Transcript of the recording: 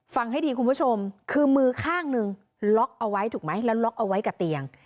ฟังให้ดีคุณผู้ชมคือมือข้างหนึ่งล็อกเอาไว้ถูกไหมแล้วล็อกเอาไว้กับเตียง